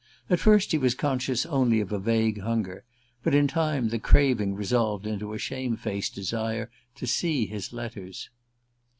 At first he was conscious only of a vague hunger, but in time the craving resolved into a shame faced desire to see his letters.